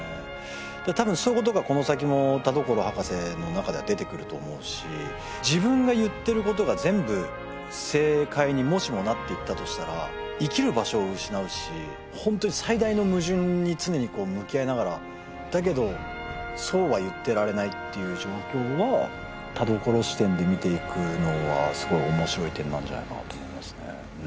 多分そういうことがこの先も田所博士の中では出てくると思うし自分が言ってることが全部正解にもしもなっていったとしたら生きる場所を失うし本当に最大の矛盾に常に向き合いながらだけどそうは言ってられないっていう状況は田所視点で見ていくのはすごい面白い点なんじゃないかなと思いますね